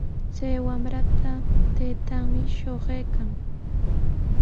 Chay wamrata taytanmi shuqaykan.